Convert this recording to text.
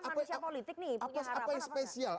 kan manusia politik nih punya harapan apa tidak